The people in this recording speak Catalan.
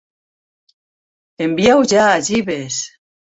Envia-ho ja, Jeeves.